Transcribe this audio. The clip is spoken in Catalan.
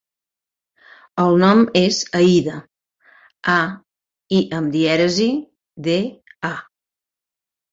El nom és Aïda: a, i amb dièresi, de, a.